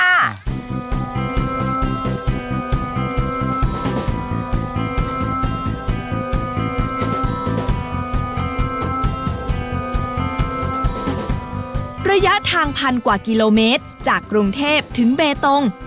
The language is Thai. ระยะทางพันกว่ากิโลเมตรจากกรุงเทพถึงเบตง